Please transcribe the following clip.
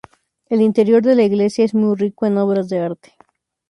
El interior de la iglesia es muy rico en obras de arte.